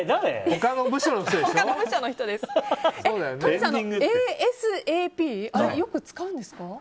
都仁さん、ＡＳＡＰよく使うんですか？